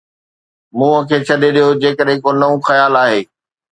منهن کي ڇڏي ڏيو جيڪڏهن ڪو نئون خيال آهي.